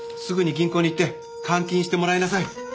すぐに銀行に行って換金してもらいなさい。